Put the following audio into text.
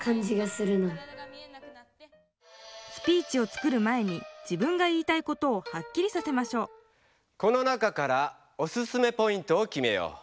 スピーチを作る前に自分が言いたいことをはっきりさせましょうこの中からオススメポイントをきめよう。